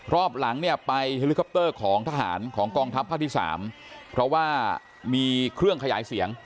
รอบหลังเนี่ยไปเฮลิคอปเตอร์ของทหารของกองทัพภาคที่๓เพราะว่ามีเครื่องขยายเสียง